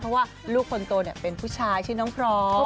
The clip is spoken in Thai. เพราะว่าลูกคนโตเป็นผู้ชายชื่อน้องพร้อม